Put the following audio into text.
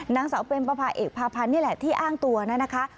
นางสาวเปมประพาเอกพาพันธ์นี่แหละที่อ้างตัวนะคะ